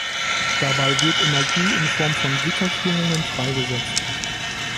Dabei wird Energie in Form von Gitterschwingungen freigesetzt.